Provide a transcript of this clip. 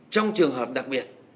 trong trường hợp đặc biệt